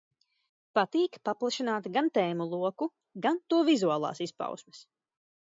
Patīk paplašināt gan tēmu loku, gan to vizuālās izpausmes.